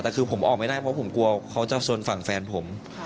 แต่คือผมออกไม่ได้เพราะผมกลัวเขาจะชนฝั่งแฟนผม